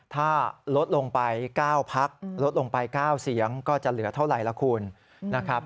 ถ้าลดลงไป๙พักลดลงไป๙เสียงก็จะเหลือเท่าไหร่ล่ะคุณนะครับ